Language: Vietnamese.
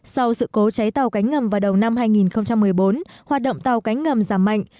sau sự cố cháy tàu cánh ngầm vào đầu năm hai nghìn một mươi bốn hoạt động tàu cánh ngầm giảm mạnh